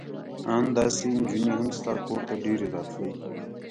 ان داسې نجونې هم ستا کور ته ډېرې راتلې.